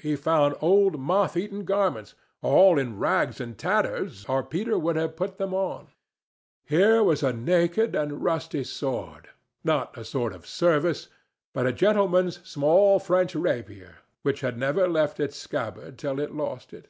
He found old moth eaten garments, all in rags and tatters, or Peter would have put them on. Here was a naked and rusty sword—not a sword of service, but a gentleman's small French rapier—which had never left its scabbard till it lost it.